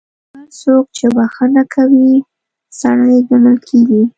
هر څوک چې بخښنه کوي، سړی ګڼل کیږي.